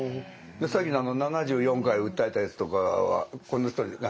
さっきの７４回訴えたやつとかはこの人に。